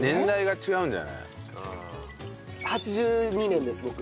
８２年です僕。